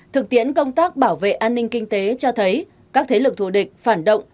thực tiễn công tác bảo vệ an ninh kinh tế cho thấy các thế lực thù địch phản động